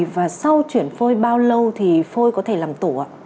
và sau chuyển phôi bao lâu thì phôi có thể làm tủ